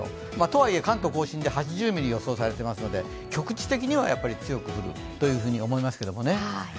とはいえ、関東甲信で８０ミリ予想されていますので、局地的には強く降ると思いますけどね。